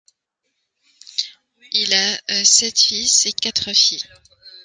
Il a sept fils et quatre filles.